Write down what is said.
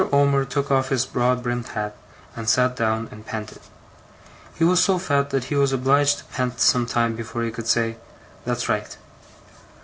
Omer took off his broad brimmed hat, and sat down and panted. He was so fat that he was obliged to pant some time before he could say: 'That's right.